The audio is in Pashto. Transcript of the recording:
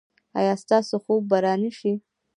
ایا ستاسو خوب به را نه شي؟